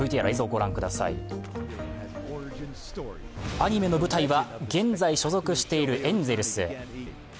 アニメの舞台は現在所属しているエンゼルス。